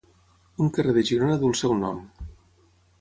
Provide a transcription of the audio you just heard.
Un carrer de Girona duu el seu nom.